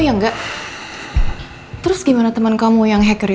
ya aku deskripsi awal awal betiispers